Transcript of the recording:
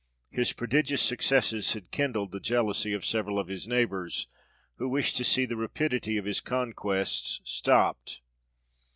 His prodigious successes had kindled the jealousy of several of his neighbours, who wished to see the rapidity of his conquests stopped.